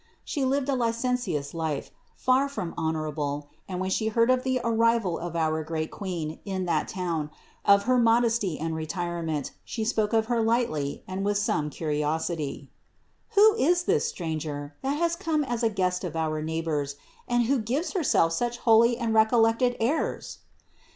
She lived a licentious life, far from honorable, and when she heard of the arrival of our great Queen in that town, of her modesty and retirement, she spoke of Her lightly and with some curiosity: "Who is 210 CITY OF GOD Stranger, that has come as a guest of our neighbors, and who gives Herself such holy and recollected airs?"